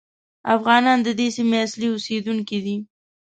افغانان د دې سیمې اصلي اوسېدونکي دي.